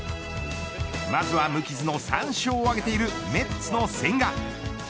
まずは無傷の３勝を挙げているメッツの千賀。